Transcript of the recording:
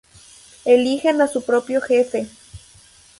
Eligen a su propio jefe.